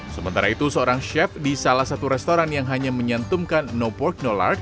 sementara itu seorang chef di salah satu restoran yang hanya menyentumkan no pork no lard